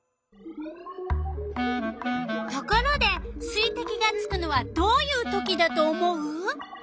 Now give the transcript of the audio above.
ところで水てきがつくのはどういうときだと思う？